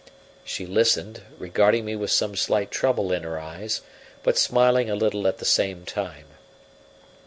She listened, regarding me with some slight trouble in her eyes, but smiling a little at the same time.